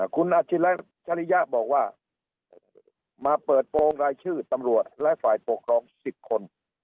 คุณอาชิริยะบอกว่ามาเปิดโปรงรายชื่อตำรวจและฝ่ายปกครอง๑๐คน